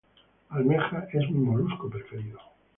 Almeja es mi molusco preferido.